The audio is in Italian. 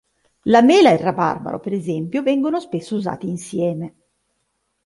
La mela e il rabarbaro, per esempio, vengono spesso usati insieme.